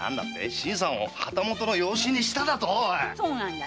新さんを旗本の養子にしただと⁉そう。